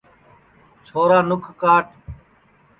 چھورا نُکھ کاٹ